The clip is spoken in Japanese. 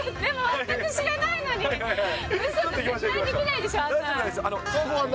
全く知らないのに、絶対できないでしょ、案内。